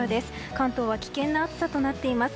関東は危険な暑さとなっています。